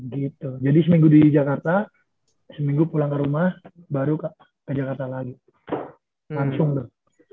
gitu jadi seminggu di jakarta seminggu pulang ke rumah baru ke jakarta lagi langsung deh